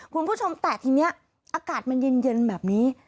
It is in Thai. คุณผู้ชมแต่ทีนี้อากาศมันเย็นแบบนี้